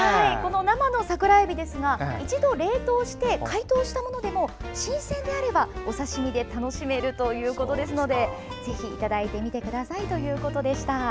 生の桜えびなんですが一度冷凍して解凍したものでも新鮮であれば、お刺身で楽しめるということですのでぜひいただいてみてくださいということでした。